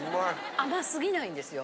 甘過ぎないんですよ。